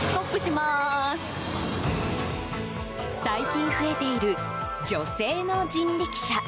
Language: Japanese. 最近増えている女性の人力車。